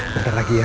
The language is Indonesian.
bentar lagi ya